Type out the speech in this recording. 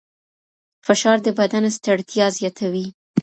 فشار د بدن ستړیا زیاتوي.